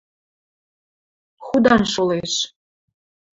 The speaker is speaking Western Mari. Худан шолеш.